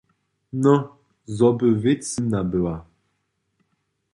Nó, zo by wěc zymna była.